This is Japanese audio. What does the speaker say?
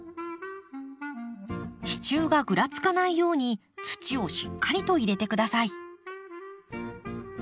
支柱がぐらつかないように土をしっかりと入れて下さい。